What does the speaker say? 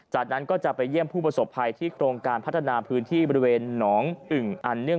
จากนั้นก็จะไปเยี่ยมผู้ประสบภัยที่โครงการพัฒนาพื้นที่บริเวณหนองอึ่งอันเนื่อง